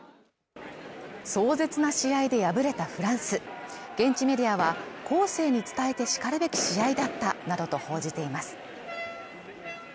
壮絶な試合で敗れたフランス現地メディアは後世に伝えてしかるべき試合だったなどと報じています